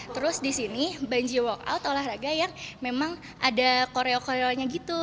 terus di sini bungee workout olahraga yang memang ada koreo koreonya gitu